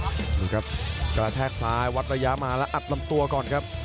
ดูครับกระแทกซ้ายวัดระยะมาแล้วอัดลำตัวก่อนครับ